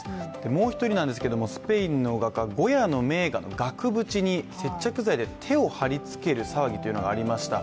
もう１人なんですけども、スペインの画家、ゴヤの名画の額縁に接着剤で手を貼り付ける騒ぎというのがありました。